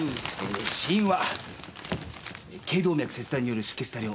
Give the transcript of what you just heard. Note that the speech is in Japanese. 死因はけい動脈切断による出血多量。